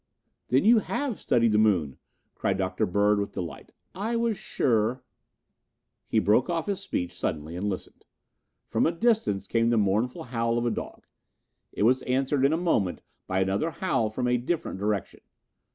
"Then you have studied the moon?" cried Dr. Bird with delight. "I was sure "He broke off his speech suddenly and listened. From a distance came the mournful howl of a dog. It was answered in a moment by another howl from a different direction.